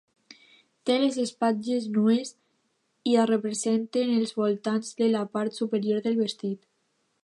Té les espatlles nues i es representen els volants de la part superior del vestit.